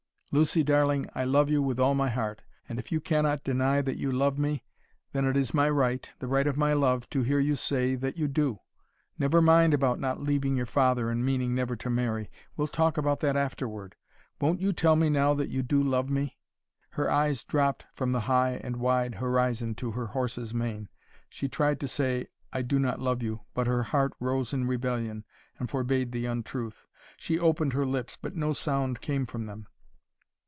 Lucy, darling, I love you with all my heart, and if you cannot deny that you love me, then it is my right, the right of my love, to hear you say that you do. Never mind about not leaving your father and meaning never to marry. We'll talk about that afterward. Won't you tell me now that you do love me?" Her eyes dropped from the high and wide horizon to her horse's mane. She tried to say, "I do not love you," but her heart rose in rebellion and forbade the untruth. She opened her lips, but no sound came from them.